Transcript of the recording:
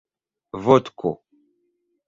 vodko